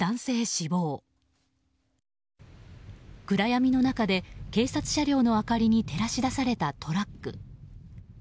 暗闇の中で警察車両の明かりに照らし出されたトラック。